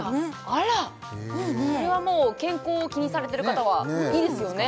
あらっそれはもう健康を気にされてる方はいいですよね